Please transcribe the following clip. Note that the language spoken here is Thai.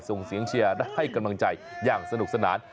ส่งเสียงเชียร์ได้ให้กำลังใจอย่างสนุกสนาน